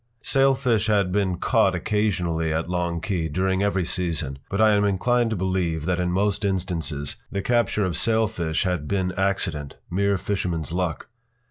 p> Sailfish had been caught occasionally at Long Key, during every season. But I am inclined to believe that, in most instances, the capture of sailfish had been accident—mere fisherman’s luck.